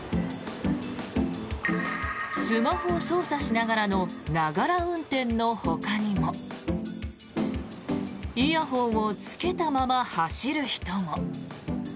スマホを操作しながらのながら運転のほかにもイヤホンを着けたまま走る人も。